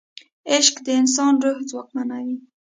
عشق د انسان روح ځواکمنوي.